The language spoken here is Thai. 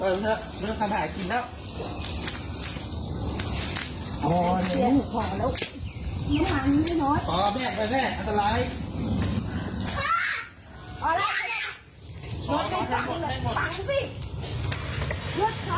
พอแม่งหมดแม่งหมด